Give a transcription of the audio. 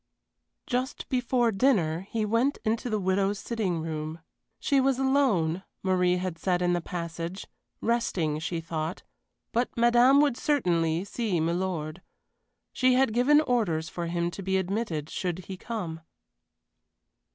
Just before dinner he went into the widow's sitting room. She was alone, Marie had said in the passage resting, she thought, but madame would certainly see milord. She had given orders for him to be admitted should he come.